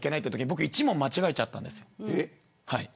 僕１問、間違えちゃったんです。